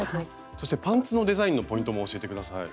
そしてパンツのデザインのポイントも教えて下さい。